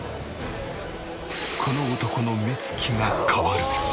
この男の目つきが変わる。